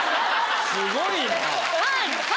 すごいな。